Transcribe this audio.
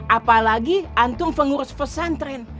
apalagi antung pengurus pesantren